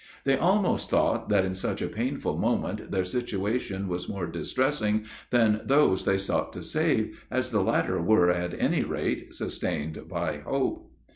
They almost thought that in such a painful moment their situation was more distressing than those they sought to save, as the latter were, at any rate, sustained by hope.